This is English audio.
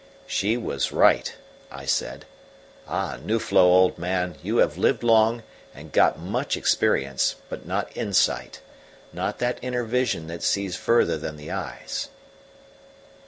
"She was right," I said. "Ah, Nuflo, old man, you have lived long, and got much experience, but not insight not that inner vision that sees further than the eyes."